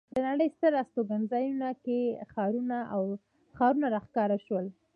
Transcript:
د نړۍ ستر استوګنځایونو کې ښارونه را ښکاره شول.